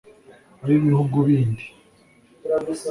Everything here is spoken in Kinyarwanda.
ab'ibihugu bindi